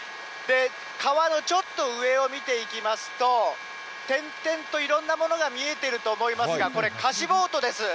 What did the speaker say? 川のちょっと上を見ていきますと、点々といろんなものが見えていると思いますが、これ、貸しボートです。